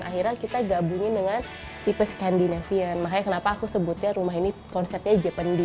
akhirnya kita gabungin dengan tipe scandinavian makanya kenapa aku sebutnya rumah ini konsepnya japaney